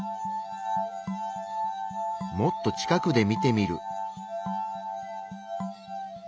もっと近くで見てみる。